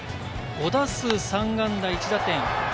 ５打数３安打１打点。